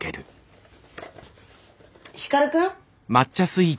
光くん？